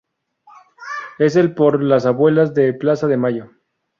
Es el por las Abuelas de Plaza de Mayo.